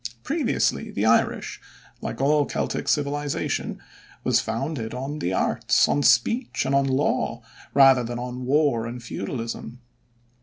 Previously the Irish, like all Celtic civilization, was founded on the arts, on speech, and on law, rather than on war and feudalism.